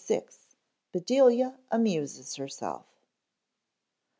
_Bedelia Amuses Herself.